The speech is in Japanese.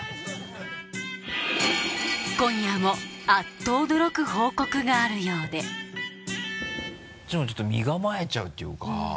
今夜もあっと驚く報告があるようでこっちもちょっと身構えちゃうっていうか。